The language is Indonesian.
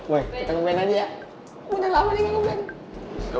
boleh kita nge ban aja ya